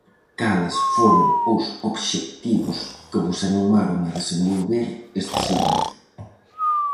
Cales foron os obxectivos que vos animaron a desenvolver este servizo?